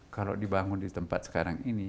kalau dibangun di tempat sekarang ini